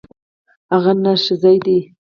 هغه نرښځی دی.